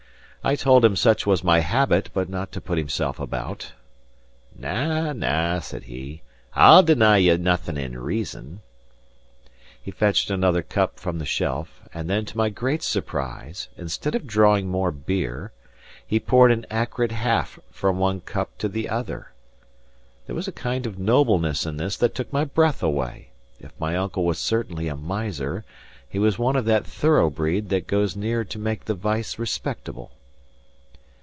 I told him such was my habit, but not to put himself about. "Na, na," said he; "I'll deny you nothing in reason." He fetched another cup from the shelf; and then, to my great surprise, instead of drawing more beer, he poured an accurate half from one cup to the other. There was a kind of nobleness in this that took my breath away; if my uncle was certainly a miser, he was one of that thorough breed that goes near to make the vice respectable.